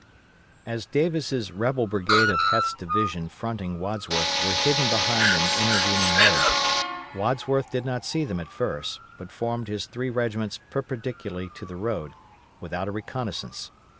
As Davis' rebel brigade of Heth's division fronting Wadsworth were hidden behind an intervening ridge, Wadsworth did not see them at first, but formed his three regiments perpendicularly to the road, without a reconnoissance.